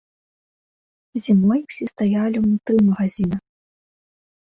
Зімой усе стаялі ўнутры магазіна.